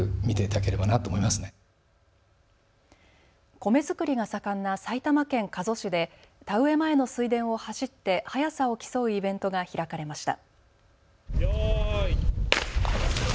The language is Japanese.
米作りが盛んな埼玉県加須市で田植え前の水田を走って速さを競うイベントが開かれました。